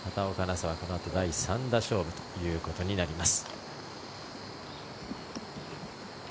紗はこのあと第３打勝負ということになります。